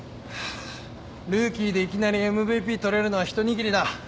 ルーキーでいきなりＭＶＰ取れるのはひと握りだ。